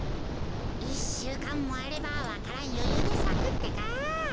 １しゅうかんもあればわか蘭よゆうでさくってか。